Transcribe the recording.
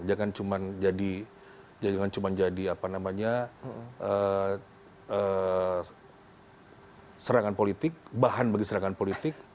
jangan cuma jadi serangan politik bahan bagi serangan politik